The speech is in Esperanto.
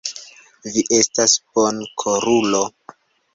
Vi estas bonkorulo.